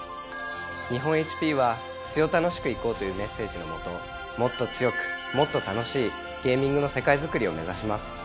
日本ＨＰは。というメッセージのもともっと強くもっと楽しいゲーミングの世界づくりを目指します。